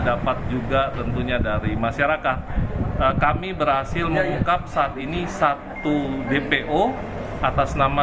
dapat juga tentunya dari masyarakat kami berhasil mengungkap saat ini satu dpo atas nama